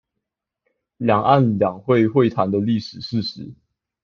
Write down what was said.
兩岸兩會會談的歷史事實